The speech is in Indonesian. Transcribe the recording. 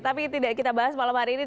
tapi tidak kita bahas malam hari ini